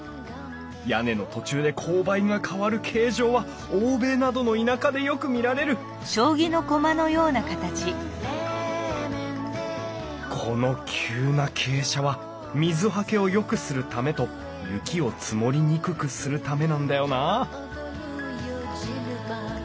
屋根の途中で勾配が変わる形状は欧米などの田舎でよく見られるこの急な傾斜は水はけをよくするためと雪を積もりにくくするためなんだよなあ